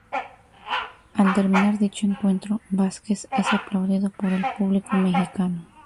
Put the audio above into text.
Al terminar dicho encuentro Vásquez es aplaudido por el público mexicano.